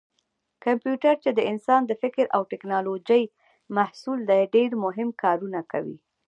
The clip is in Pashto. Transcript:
کمپیوټر چې د انسان د فکر او ټېکنالوجۍ محصول دی ډېر مهم کارونه کوي.